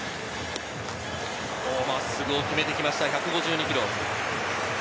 真っすぐを決めてきました、１５２キロ。